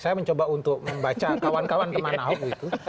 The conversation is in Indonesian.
saya mencoba untuk membaca kawan kawan teman ahok itu